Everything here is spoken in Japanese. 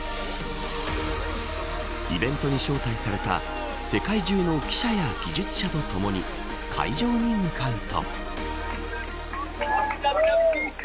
イベントに招待された世界中の記者や技術者とともに会場に向かうと。